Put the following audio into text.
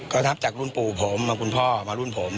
ก็ทับจากรุ่นปู่ผมมาคุณพ่อมารุ่นผม